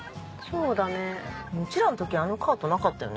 うちらの時あのカートなかったよね？